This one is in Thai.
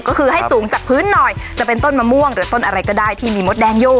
ก็คือให้สูงจากพื้นหน่อยจะเป็นต้นมะม่วงหรือต้นอะไรก็ได้ที่มีมดแดงอยู่